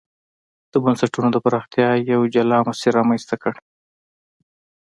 د بنسټونو د پراختیا یو جلا مسیر رامنځته کړ.